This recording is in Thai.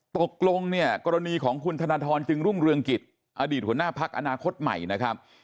ตกลงเนี่ยกรณีของคุณธนทรจึงรุ่งเรืองกิจอดีตหัวหน้าพักอนาคตใหม่นะครับ